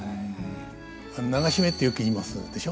「流し目」ってよく言いますでしょ。